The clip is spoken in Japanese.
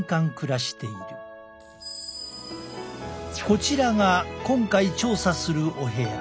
こちらが今回調査するお部屋。